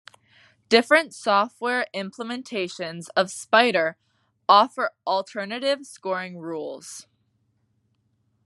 Different software implementations of spider offer alternative scoring rules.